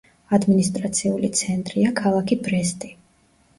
ადმინისტრაციული ცენტრია ქალაქი ბრესტი.